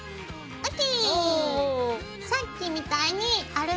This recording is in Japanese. ＯＫ。